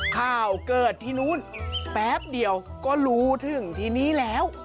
ข่าวเกิดที่นู้นแป๊บเดียวก็รู้ถึงทีนี้แล้ว